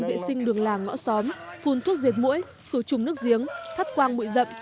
vệ sinh đường làng ngõ xóm phun thuốc diệt mũi khử trùng nước giếng phát quang bụi rậm